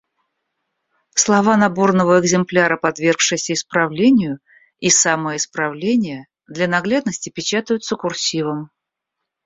Слова наборного экземпляра, подвергшиеся исправлению, и самые исправления для наглядности печатаются курсивом.